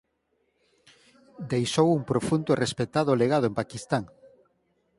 Deixou un profundo e respectado legado en Paquistán.